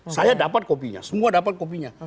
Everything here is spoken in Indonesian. saya dapat kopinya semua dapat kopinya